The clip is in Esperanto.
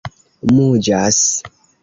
muĝas